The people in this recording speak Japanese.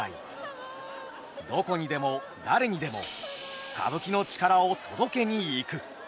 どこにでも誰にでも歌舞伎の力を届けに行く。